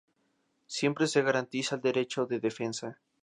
Siempre se garantiza el derecho de defensa.